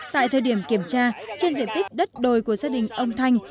tại thời điểm kiểm tra trên diện tích đất đồi của gia đình ông thanh